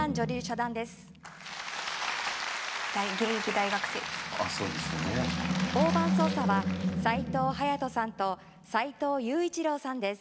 大盤操作は齋藤勇人さんと齋藤雄一郎さんです。